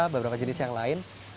beberapa jenis yang lain